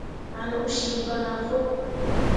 A no cii fana fok.